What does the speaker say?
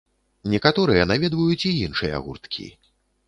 Некаторыя наведваюць і іншыя гурткі.